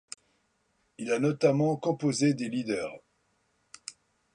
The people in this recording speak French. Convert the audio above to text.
Il a notamment composé des lieder.